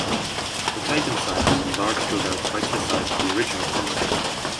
The type inside was enlarged to about twice the size of the original printing.